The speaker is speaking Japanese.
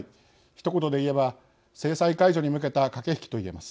ひと言で言えば制裁解除に向けた駆け引きと言えます。